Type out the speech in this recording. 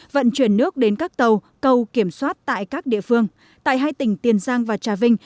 vận chuyển nước đến các tàu cầu kiểm soát tại các địa phương tại hai tỉnh tiền giang và trà vinh